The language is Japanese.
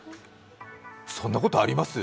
そんなことあります？